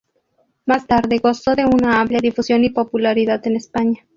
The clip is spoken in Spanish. Más tarde, gozó de una amplia difusión y popularidad en España.